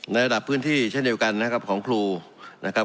ระดับพื้นที่เช่นเดียวกันนะครับของครูนะครับ